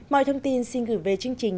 mọi thông tin xin gửi về chương trình